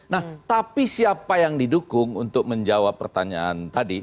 nah tapi siapa yang didukung untuk menjawab pertanyaan tadi